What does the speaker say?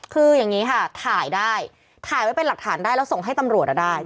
คืออย่างนี้ค่ะถ่ายได้ถ่ายไว้เป็นหลักฐานได้แล้วส่งให้ตำรวจได้